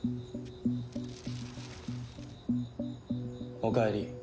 おかえり。